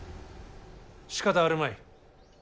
しかたあるまい。